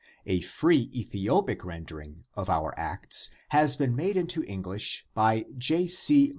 A free Ethiopic ren dering of our Acts has been made into English by J. C.